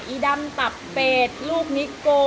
อีดำตับเป็ดลูกนิโก